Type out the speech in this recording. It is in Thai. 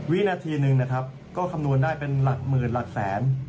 วินาทีหนึ่งนะครับก็คำนวณได้เป็นหลักหมื่นหลักแสน